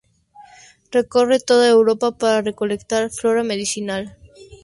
Recorre toda Europa para recolectar flora medicinal.